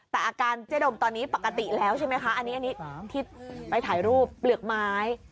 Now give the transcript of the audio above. แต่อาการเจ๊ดมตอนนี้ปกติแล้วใช่ไหมคะอันนี้ที่ไปถ่ายรูปเปลือกไม้